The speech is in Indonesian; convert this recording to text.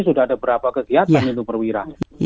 sudah ada beberapa kegiatan untuk perwira